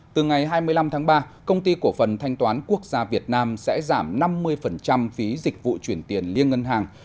từ ngày hai mươi năm tháng ba công ty cổ phần thanh toán quốc gia việt nam sẽ giảm năm mươi phí dịch vụ chuyển tiền liên ngân hàng